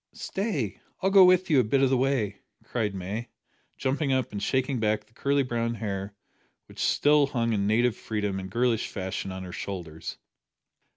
"Stay, I'll go with you a bit of the way," cried May, jumping up and shaking back the curly brown hair which still hung in native freedom and girlish fashion on her shoulders.